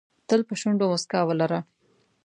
تل په شونډو موسکا ولره .